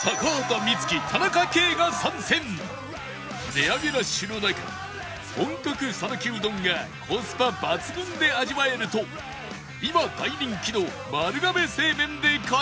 値上げラッシュの中本格讃岐うどんがコスパ抜群で味わえると今大人気の丸亀製麺で帰れま１０